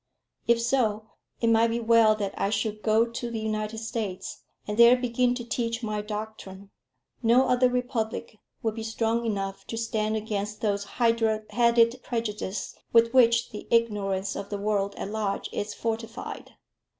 If so, it might be well that I should go to the United States, and there begin to teach my doctrine. No other republic would be strong enough to stand against those hydra headed prejudices with which the ignorance of the world at large is fortified.